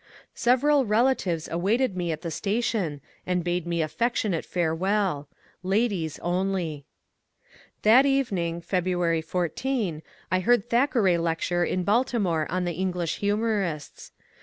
Several relatives awaited me at the station and bade me affectionate farewell. Ladies only ! That evening (February 14) I heard Thackeray lecture in Baltimore on the English humourists.